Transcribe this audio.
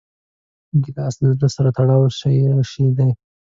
ګیلاس له زړه سره تړلی شی دی.